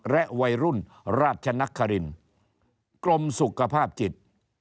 และวัยรุ่นราชนครินกรมสุขภาพจิต